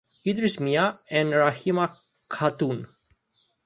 Idris Mia and Rahima Khatun.